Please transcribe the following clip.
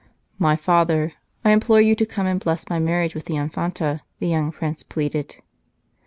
"My Father, I implore you to come and bless my marriage with the Infanta," the young Prince pleaded.